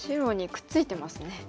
くっついてますよね。